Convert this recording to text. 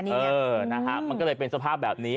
น้ะครับมันก็เลยเป็นสภาพแบบนี้